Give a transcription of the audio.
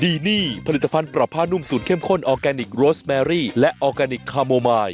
ดีนี่ผลิตภัณฑ์ปรับผ้านุ่มสูตรเข้มข้นออร์แกนิคโรสแมรี่และออร์แกนิคคาโมมาย